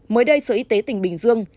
mới đây sở y tế tỉnh bình dương